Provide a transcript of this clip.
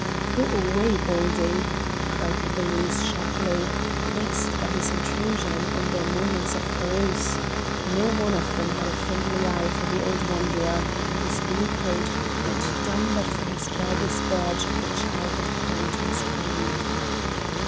"Go away, Baldy!" cried the Bailies sharply, vexed by this intrusion on their moments of carouse; no one of them had a friendly eye for the old wanderer, in his blue coat, and dumb but for his beggar's badge and the child that clung to his hand.